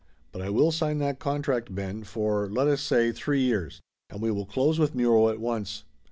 "But I will sign that contract, Ben, for, let us say, three years. And we will close with Muro at once.